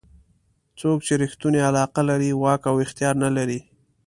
څوک چې ریښتونې علاقه لري واک او اختیار نه لري.